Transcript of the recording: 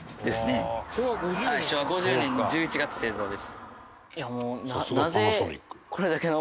昭和５０年の１１月製造です。